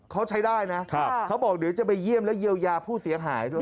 เขาใช้ได้นะเขาบอกเดี๋ยวจะไปเยี่ยมและเยียวยาผู้เสียหายด้วย